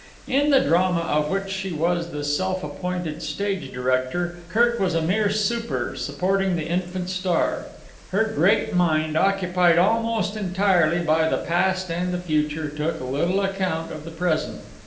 In the drama of which she was the self appointed stage director, Kirk was a mere super supporting the infant star. Her great mind, occupied almost entirely by the past and the future, took little account of the present.